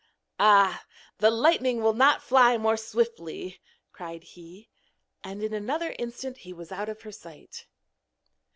'Ah, the lightning will not fly more swiftly,' cried he. And in another instant he was out of her sight.